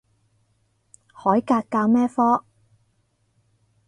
海格教咩科？